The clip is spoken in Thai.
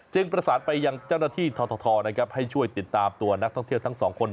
ประสานไปยังเจ้าหน้าที่ททนะครับให้ช่วยติดตามตัวนักท่องเที่ยวทั้งสองคน